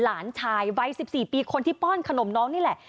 หลานชายวัย๑๔ปีคนที่ป้อนขนมน้องนี่แหละ